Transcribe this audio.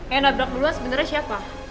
yang nabrak lu sebenernya siapa